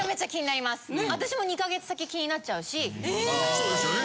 そうですよね。